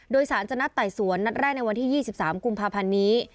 โดยสารจะนัดไต่สวนนัดแรกในวันที่๒๓กุมภาพันธ์นี้